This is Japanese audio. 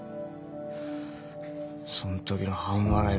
そんときの半笑い